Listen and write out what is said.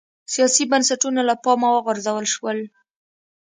سیاسي بنسټونه له پامه وغورځول شول